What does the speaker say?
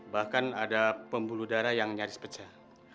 bahkan ada pembuluh darah yang nyaris pecah